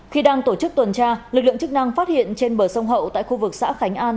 khi đang tổ chức tuần tra lực lượng chức năng phát hiện trên bờ sông hậu tại khu vực xã khánh an